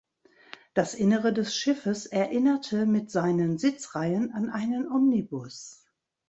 Das Innere des Schiffes erinnerte mit seinen Sitzreihen an einen Omnibus.